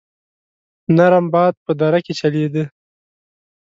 نرم باد په دره کې چلېده.